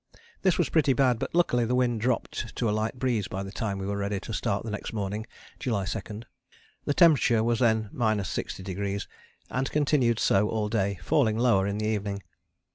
This was pretty bad, but luckily the wind dropped to a light breeze by the time we were ready to start the next morning (July 2). The temperature was then 60°, and continued so all day, falling lower in the evening.